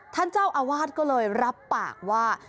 ท่านเจ้าอาวาสก็เลยรับปากว่า